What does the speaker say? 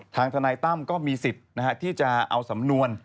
ทนายตั้มก็มีสิทธิ์ที่จะเอาสำนวน